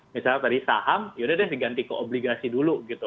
misalnya tadi saham yaudah deh diganti ke obligasi dulu gitu